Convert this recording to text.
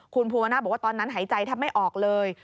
คุณภูวนาศบอกว่าตอนนั้นหายใจแทบไม่ออกเลย